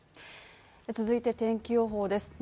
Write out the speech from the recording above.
続いて天気予報です。